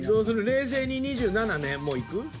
冷静に２７ねもういく？